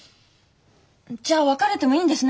じゃあ別れてもいいんですね？